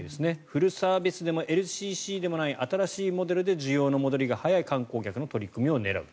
フルサービスでもＬＣＣでもない新しいモデルで需要の戻りが早い観光客の取り込みを狙う。